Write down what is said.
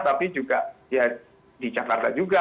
tapi juga ya di jakarta juga